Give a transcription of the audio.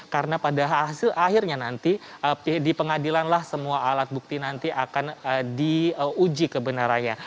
karena pada hasil akhirnya nanti di pengadilanlah semua alat bukti nanti akan diuji kebenarannya